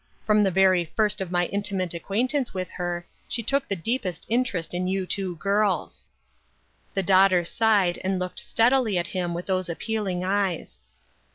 From the very first of my intimate acquaintance with her, she took the deepest inter est in you two girls." His daughter sighed, and looked steadily at him with those appealing eyes.